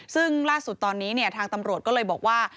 ซึ่งล่าสุดตอนนี้ทางตำรวจก็เลยบอกว่า